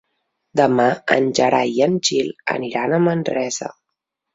Demà en Gerai i en Gil aniran a Manresa.